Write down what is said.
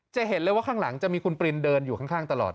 จะเห็นเลยว่าข้างหลังจะมีคุณปรินเดินอยู่ข้างตลอด